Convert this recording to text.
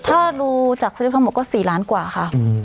ถ้าดูจากสลิปทั้งหมดก็๔ล้านกว่าค่ะ